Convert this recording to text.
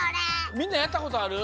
みんなやったことある？